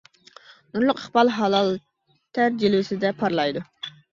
نۇرلۇق ئىقبال ھالال تەر جىلۋىسىدە پارلايدۇ.